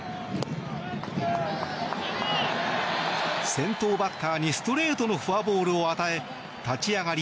先頭バッターにストレートのフォアボールを与え立ち上がり